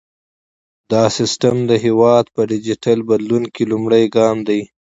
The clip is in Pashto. دا سیستم د هیواد په ډیجیټل بدلون کې لومړی ګام دی۔